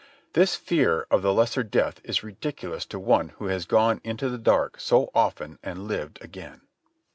This fear of the lesser death is ridiculous to one who has gone into the dark so often and lived again.